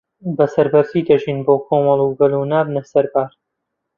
بەسەربەرزی دەژین بۆ کۆمەڵ و گەل نابنە سەربار